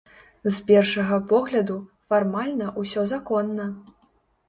З першага погляду, фармальна ўсё законна.